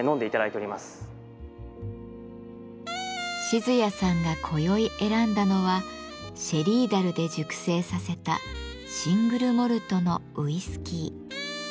静谷さんがこよい選んだのはシェリー樽で熟成させたシングルモルトのウイスキー。